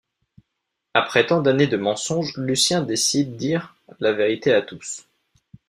Après tant d'années de mensonges, Lucien décide dire la vérité à tous.